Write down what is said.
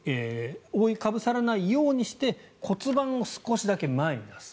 覆いかぶさらないようにして骨盤を少しだけ前に出すと。